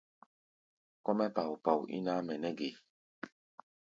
Kɔ́-mɛ́ pao-pao ín ǎmʼɛ nɛ́ ge?